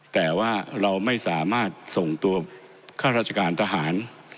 แต่ว่าเราไม่สามารถส่งตัวข้าราชการทหาร